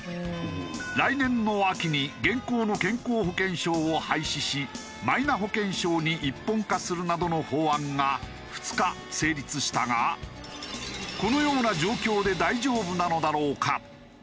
来年の秋に現行の健康保険証を廃止しマイナ保険証に一本化するなどの法案が２日成立したがこのような状況で大丈夫なのだろうか？